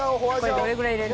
これどれぐらい入れる？